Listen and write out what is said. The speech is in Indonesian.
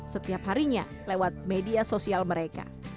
setiap harinya lewat media sosial mereka